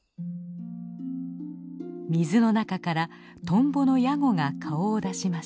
水の中からトンボのヤゴが顔を出しました。